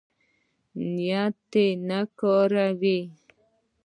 نېټ دې نه کاروي